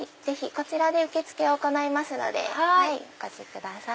こちらで受け付けを行いますのでお越しください。